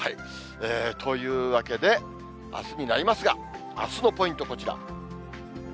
というわけで、あすになりますが、あすのポイント、こちら。